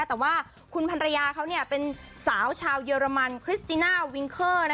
แต่ว่าคุณภรรยาเขาเป็นสาวชาวเยอรมันคริสติน่าวิงเคอร์